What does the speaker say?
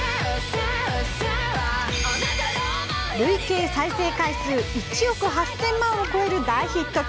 累計再生回数１億８０００万を超える大ヒット曲